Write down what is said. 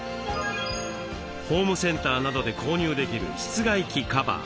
ホームセンターなどで購入できる室外機カバー。